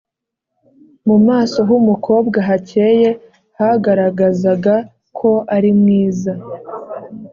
mu maso h'umukobwa hakeye hagaragazaga ko arimwiza